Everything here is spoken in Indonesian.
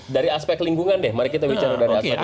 dari aspek lingkungan deh mari kita bicara dari aspek lingkungan